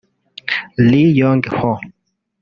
Ri Yong Ho